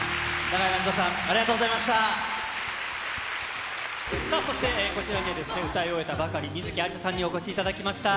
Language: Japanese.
永井真理子さん、ありがとうそして、こちらには歌い終えたばかり、観月ありささんにお越しいただきました。